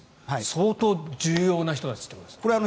相当重要な人たちということですね。